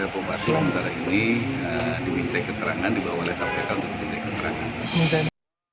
bupati sementara ini diminta keterangan dibawa oleh pak bupati untuk diminta keterangan